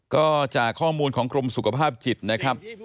ก็จากข้อมูลของกรมสุขภาพจิตนะครับ